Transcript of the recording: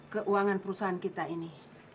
keuangan perusahaan kita ini